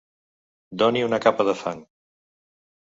Doni una capa de fang.